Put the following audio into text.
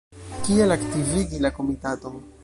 Kiel aktivigi la Komitaton?